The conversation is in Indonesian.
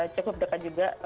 cukup dekat juga